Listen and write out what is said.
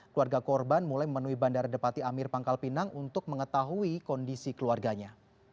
keluarga korban mulai memenuhi bandara depati amir pangkal pinang untuk mengetahui kondisi keluarganya